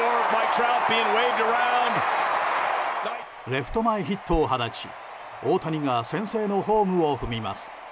レフト前ヒットを放ち大谷が先制のホームを踏みます。